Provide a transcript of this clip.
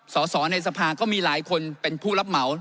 สอสอในสภาก็มีหลายคนเป็นผู้รับเหมา